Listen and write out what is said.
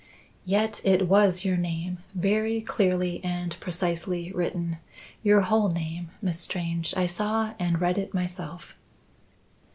"Yet it was your name, very clearly and precisely written your whole name, Miss Strange. I saw and read it myself."